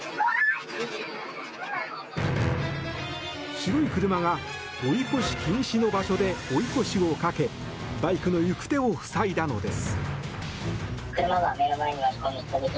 白い車が追い越し禁止の場所で追い越しをかけバイクの行く手を塞いだのです。